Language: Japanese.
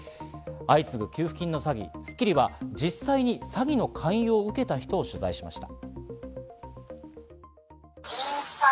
相次ぐ給付金の詐欺、『スッキリ』は実際に詐欺の勧誘を受けた人を取材しました。